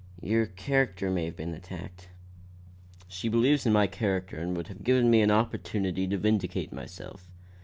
Your character may have been attacked." "She believes in my character and would have given me an opportunity to vindicate myself.